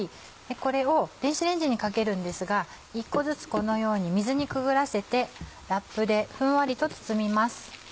これを電子レンジにかけるんですが１個ずつこのように水にくぐらせてラップでふんわりと包みます。